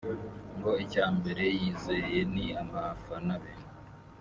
ngo icya mbere yizeye ni abafana be